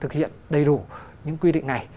thực hiện đầy đủ những quy định này